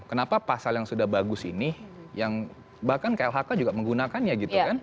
kenapa pasal yang sudah bagus ini yang bahkan klhk juga menggunakannya gitu kan